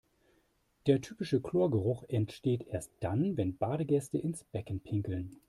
Der typische Chlorgeruch entsteht erst dann, wenn Badegäste ins Becken pinkeln.